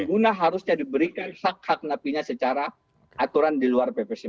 pengguna harusnya diberikan hak hak narapidanya secara aturan di luar pp sembilan puluh sembilan